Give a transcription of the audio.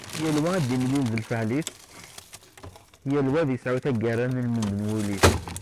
Yall wa ad d-imlil d lfeɛl-is, yall wa ad isɛu taggara ilmend n wul-is.